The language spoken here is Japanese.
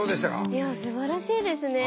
いやすばらしいですね。